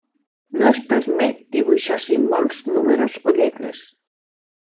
No es permet dibuixar símbols, números o lletres.